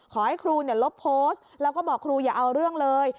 ขอให้ครูลบโพสต์แล้วก็บอกครูอย่าเอาเรื่องเลย